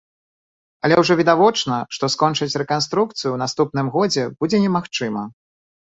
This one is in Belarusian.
Але ўжо відавочна, што скончыць рэканструкцыю у наступным годзе будзе немагчыма.